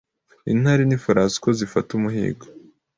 intare nifarashi uko zafata umuhigo